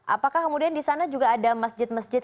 apakah kemudian di sana juga ada masjid masjid